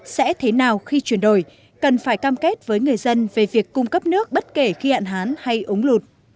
sẽ thế nào khi chuyển đổi cần phải cam kết với người dân về việc cung cấp nước bất kể khi hạn hán hay ống lụt